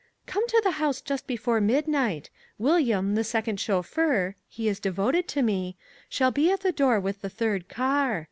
"Come to the house just before midnight. William, the second chauffeur (he is devoted to me), shall be at the door with the third car.